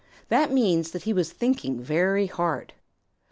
That means that he was thinking very hard.